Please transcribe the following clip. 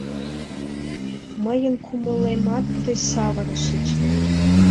Мыйын кумылемат тый савырышыч.